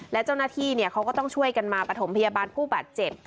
และเจ้าหน้าที่เขาก็ต้องช่วยกันมาประถมพยาบาลผู้บาดเจ็บ